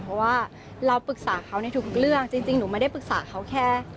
เพราะว่าเราปรึกษาเขาในทุกเรื่องจริงหนูไม่ได้ปรึกษาเขาแค่